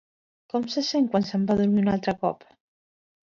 Com se sent quan se'n va a dormir un altre cop?